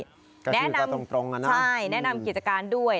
ก็ชื่อการตรงน่ะนะใช่แนะนำกิจการด้วย